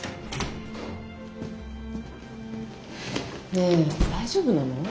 ねえ大丈夫なの？